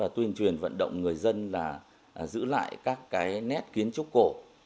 tuyên truyền vận động người dân giữ lại các nét kiến trúc cổ